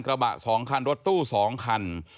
ระบะ๒คันรถตู้๒คัน